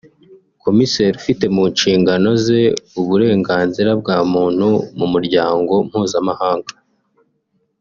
Komiseri ufite mu nshingano ze uburenganzira bwa muntu mu muryango mpuzamahanga